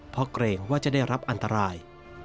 เพราะเกรงว่าจะได้รับอันตราย